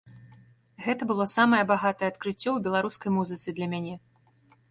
Гэта было самае багатае адкрыццё ў беларускай музыцы для мяне.